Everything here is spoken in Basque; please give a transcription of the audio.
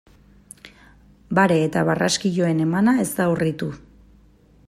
Bare eta barraskiloen emana ez da urritu.